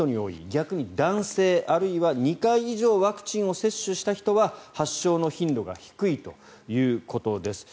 逆に男性、あるいは２回以上ワクチンを接種した人は発症の頻度が低いということです。